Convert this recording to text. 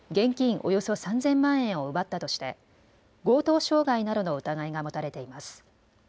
およそ３０００万円を奪ったとして強盗傷害などの疑いが持たれています。